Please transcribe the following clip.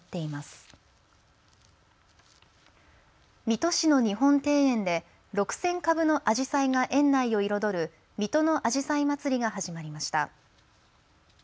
水戸市の日本庭園で６０００株のあじさいが園内を彩る水戸のあじさいまつりが始まりました。